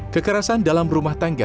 kekerasan dalam rumah tangga